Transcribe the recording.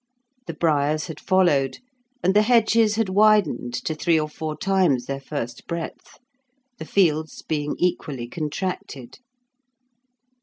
The briars had followed, and the hedges had widened to three or four times their first breadth, the fields being equally contracted.